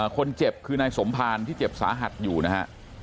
คนเจ็บคือนายสมภารที่เจ็บสาหัสอยู่นะฮะ